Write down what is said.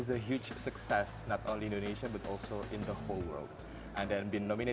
saya sangat berterima kasih kepada tuhan bahwa orang di grammy mengenal saya